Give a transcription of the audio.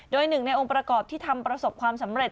โดยหนึ่งในองค์ประกอบที่ทำประสบความสำเร็จ